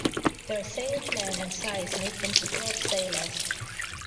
Their sail plan and size made them superb sailers.